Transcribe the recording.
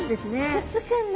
くっつくんだ。